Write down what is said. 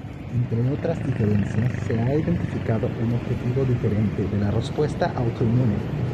Entre otras diferencias se ha identificado un objetivo diferente de la respuesta autoinmune.